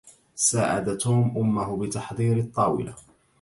ساعدَ توم أمه، بتحضير الطاولة.